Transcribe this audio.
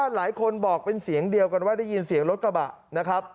หลายคนบอกเป็นเสียงเดียวกันว่าได้ยินเสียงรถกระบะนะครับ